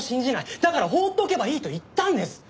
だから放っておけばいいと言ったんです。